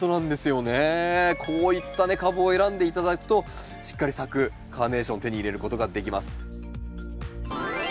こういった株を選んで頂くとしっかり咲くカーネーションを手に入れることができます。